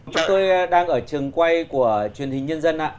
chúng tôi đang ở trường quay của truyền hình nhân dân